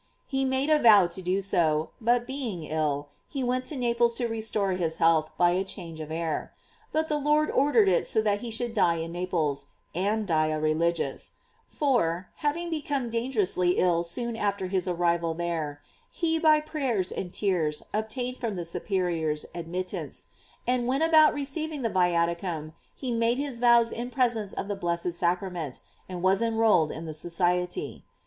He made a vow to do so, but being ill, he went to Naples to restore his health by a change of air. But the Lord ordered it so that he should die in Naples, and die a religious; for, having become dangerously ill soon after his arrival there, he by prayers and tears obtained from the superiors admittance, and when about receiving the viaticum, he made his vows in pres ence of the blessed sacrament, and was enrolled in the society.